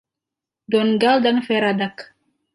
Donngal dan Feradach.